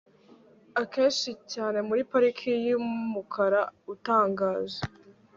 Akenshi cyane muri parike yumukara utangaje